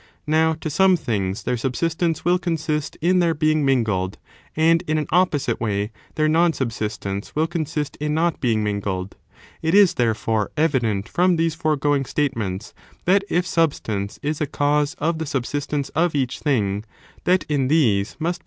Now, to some things their subsistence will consist in their being mingled, and, in an opposite way, their non subsistence will consist in not being mingled. s. Certain de It is, therefore, evident from these foregoing b^'Aristott?^ statements, that if substance is a cause of the firom the fore Subsistence of esu^h thing, that in these must be going point.